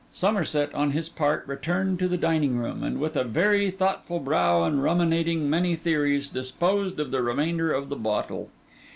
Somerset, on his part, returned to the dining room, and with a very thoughtful brow and ruminating many theories, disposed of the remainder of the bottle.